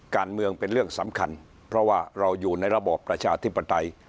เป็นเรื่องสำคัญเพราะว่าเราอยู่ในระบอบประชาธิปไตย